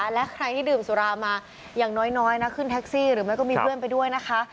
และใครที่ดื่มสุรามาอย่างน้อยนะขึ้นแท็กซี่หรือไม่ก็มีเพื่อนไปด้วยนะคะ